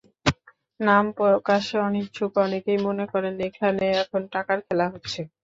নাম প্রকাশে অনিচ্ছুক অনেকেই মনে করেন, এখানে এখন টাকার খেলা হচ্ছে।